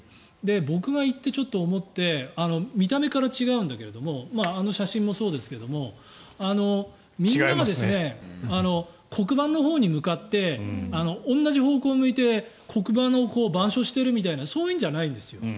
僕が行って、思って見た目から違うんだけど写真もそうですけどみんなが黒板のほうに向かって同じ方向を向いて黒板を板書しているみたいなそういうのじゃないんです。